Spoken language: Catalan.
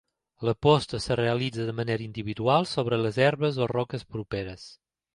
La posta es realitza de manera individual sobre les herbes o roques properes.